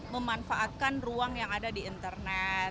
memanfaatkan ruang yang ada di internet